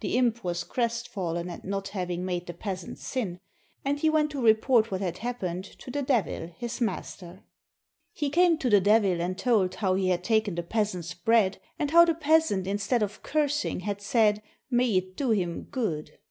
The imp was crestfallen at not having made the peas RUSSIA ant sin, and he went to report what had happened to the Devil, his master. He came to the Devil and told how he had taken the peasant's bread, and how the peasant instead of cursing had said, "May it do him good!"